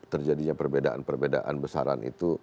terjadinya perbedaan perbedaan besaran itu